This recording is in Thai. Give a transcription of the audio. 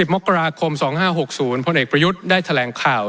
มกราคม๒๕๖๐พลเอกประยุทธ์ได้แถลงข่าว